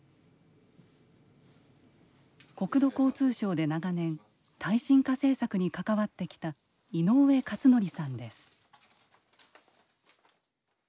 国土交通省で長年耐震化政策に関わってきた井上勝徳さんです。